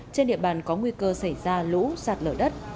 trên địa bàn có nguy cơ xảy ra lũ sạt lở đất